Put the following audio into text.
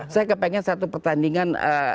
saya kepengen satu pertandingan